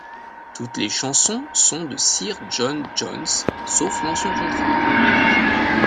Toutes les chansons sont de Sir John Johns, sauf mention contraire.